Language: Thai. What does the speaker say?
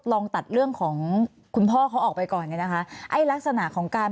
ลองตัดเรื่องของคุณพ่อเขาออกไปก่อนเนี่ยนะคะไอ้ลักษณะของการ